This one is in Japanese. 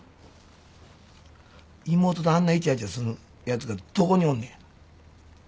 妹とあんなイチャイチャするヤツがどこにおんねや？